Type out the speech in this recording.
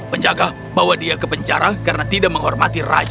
penjaga bawa dia ke penjara karena tidak menghormati raja